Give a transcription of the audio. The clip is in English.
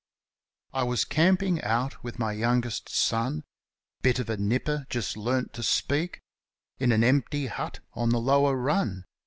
I was camping out with my youngest son — Bit of a nipper, just learnt to speak — In an empty hut on the lower run.